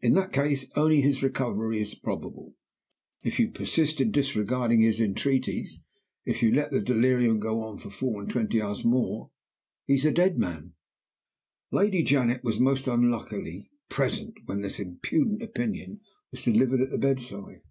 In that case only, his recovery is probable. If you persist in disregarding his entreaties, if you let the delirium go on for four and twenty hours more, he is a dead man.' "Lady Janet was, most unluckily, present when this impudent opinion was delivered at the bedside.